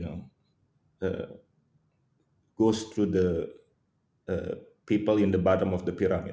adalah orang orang di bawah piramid